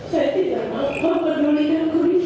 saya tidak mau memperjualikan kudis